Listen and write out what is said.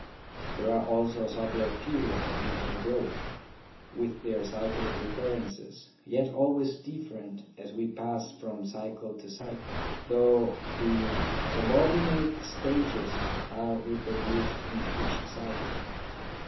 There are also subtler periods of mental growth, with their cyclic recurrences, yet always different as we pass from cycle to cycle, though the subordinate stages are repro duced in each cycle.